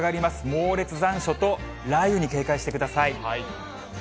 猛烈残暑と雷雨に警戒してください。